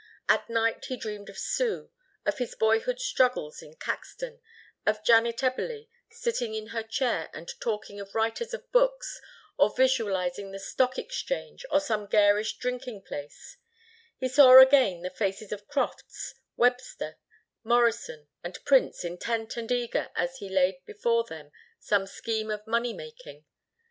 At night he dreamed of Sue, of his boyhood struggles in Caxton, of Janet Eberly sitting in her chair and talking of writers of books, or, visualising the stock exchange or some garish drinking place, he saw again the faces of Crofts, Webster, Morrison, and Prince intent and eager as he laid before them some scheme of money making.